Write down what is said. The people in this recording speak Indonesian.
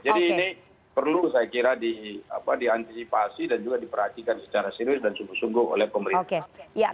jadi ini perlu saya kira diantisipasi dan juga diperhatikan secara serius dan sungguh sungguh oleh pemerintah